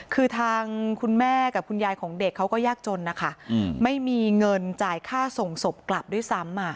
คือทางคุณแม่กับคุณยายของเด็กเขาก็ยากจนนะคะ